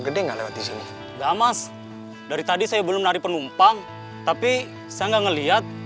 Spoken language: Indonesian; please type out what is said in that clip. gede enggak lewat di sini gamas dari tadi saya belum tari penumpang tapi saya enggak ngelihat